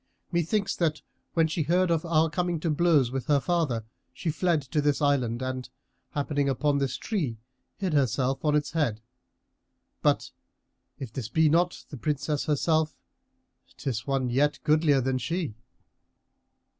Methinks that, when she heard of our coming to blows with her father, she fled to this island and, happening upon this tree, hid herself on its head; but, if this be not the Princess herself, 'tis one yet goodlier than she."